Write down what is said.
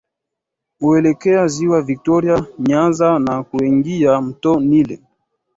huelekea ziwa Viktoria Nyanza na kuingia mto Nile